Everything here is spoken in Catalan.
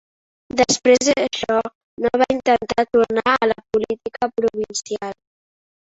Després d'això no va intentar tornar a la política provincial.